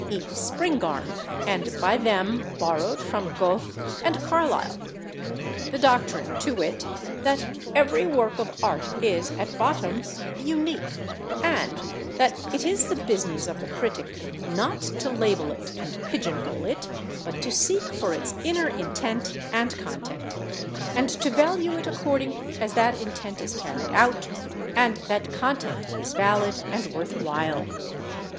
E. Spingarn, and by them borrowed from Goethe and Carlyle—the doctrine, to wit, that every work of art is, at bottom, unique, and that it is the business of the critic, not to label it and pigeon hole it, but to seek for its inner intent and content, and to value it according as that intent is carried out and that content is valid and worth while.